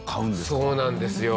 そうなんですよ。